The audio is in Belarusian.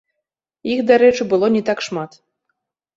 Іх, дарэчы, было не так шмат.